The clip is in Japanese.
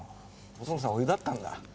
細野さんお湯だったんだ。